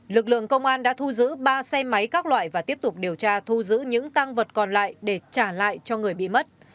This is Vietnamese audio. lực lượng công an đã thu giữ ba xe máy các loại và tiếp tục điều tra thu giữ những tăng vật còn lại để trả lại cho người bị mất